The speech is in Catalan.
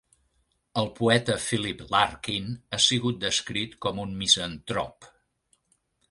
El poeta Philip Larkin ha sigut descrit com un misantrop.